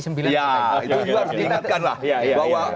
itu juga harus diingatkan lah